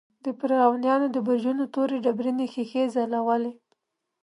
د فرعونیانو د برجونو تورې ډبرینې ښیښې ځلولې.